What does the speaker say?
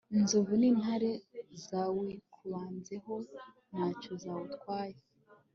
inzovu nintare zawikubanzeho ntacyo zawutwaye